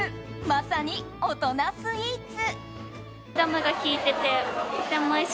まさに大人スイーツ。